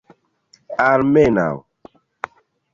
almenaŭ